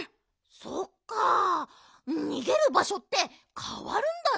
そっかにげるばしょってかわるんだね！